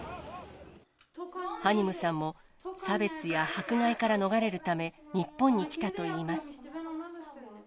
ハニムさんも、差別や迫害から逃れるため、日本に来たといいます。